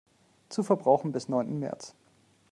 Zu verbrauchen bis neunten März.